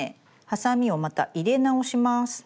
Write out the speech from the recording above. ハサミをまた入れ直します。